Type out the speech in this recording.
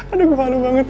aduh gua malu banget